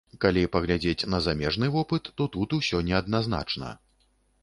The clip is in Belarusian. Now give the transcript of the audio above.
Калі паглядзець на замежны вопыт, то тут усё неадназначна.